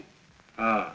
ああ。